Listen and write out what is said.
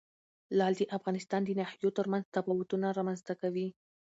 لعل د افغانستان د ناحیو ترمنځ تفاوتونه رامنځ ته کوي.